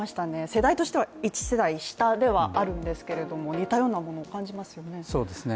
世代としては一世代下ではあるんですけど似たようなものを感じますよね。